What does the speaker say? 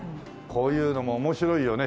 こういうのも面白いよね。